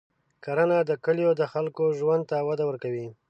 کرنه د کلیو د خلکو ژوند ته وده ورکوي.